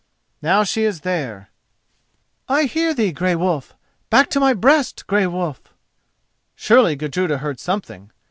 Now she is there— "I hear thee, Grey Wolf! Back to my breast, Grey Wolf!" Surely Gudruda heard something?